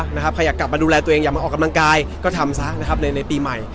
ใครอยากกลับมาดูแลตัวเองอยากมาออกกำลังกายก็ทำซะนะครับในปีใหม่